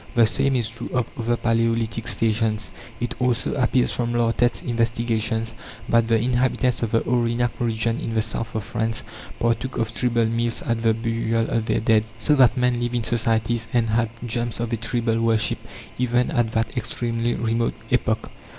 The same is true of other palaeolithic stations. It also appears from Lartet's investigations that the inhabitants of the Aurignac region in the south of France partook of tribal meals at the burial of their dead. So that men lived in societies, and had germs of a tribal worship, even at that extremely remote epoch.